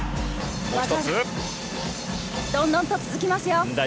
どんどん続きますよ。